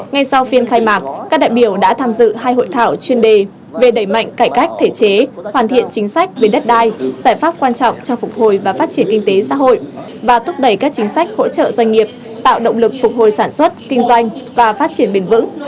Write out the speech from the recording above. ngay sau phiên khai mạc các đại biểu đã tham dự hai hội thảo chuyên đề về đẩy mạnh cải cách thể chế hoàn thiện chính sách về đất đai giải pháp quan trọng cho phục hồi và phát triển kinh tế xã hội và thúc đẩy các chính sách hỗ trợ doanh nghiệp tạo động lực phục hồi sản xuất kinh doanh và phát triển bền vững